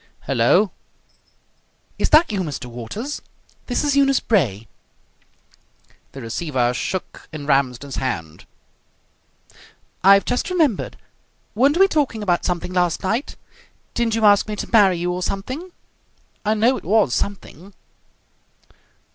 "Hello!" "Is that you, Mr. Waters? This is Eunice Bray." The receiver shook in Ramsden's hand. "I've just remembered. Weren't we talking about something last night? Didn't you ask me to marry you or something? I know it was something."